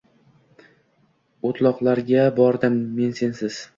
O‘tloqlarga bordim men sensiz